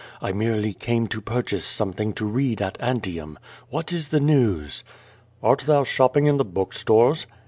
I merely came to purchase something to read at Antium. What is the news?" ^Art thou shopping in the book stores?"